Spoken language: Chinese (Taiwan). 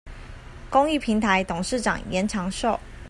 公益平臺董事長嚴長壽